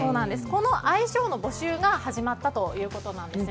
この愛称の募集が始まったということです。